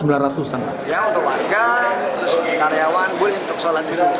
ya untuk warga untuk karyawan untuk sholat jumat